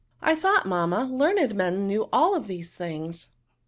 '^ I thought, mamma, learned men knew all those things.